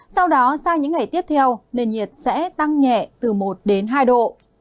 sau đó sang những ngày tiếp theo nền nhiệt sẽ tăng nhẹ từ một đến hai độ